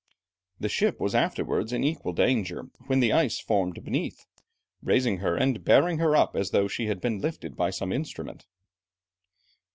The ship was afterwards in equal danger, when the ice formed beneath, raising her and bearing her up as though she had been lifted by some instrument."